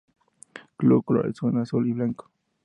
Club colores son azul y blanco.